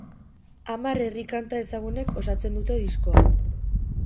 Hamar herri-kanta ezagunek osatzen dute diskoa.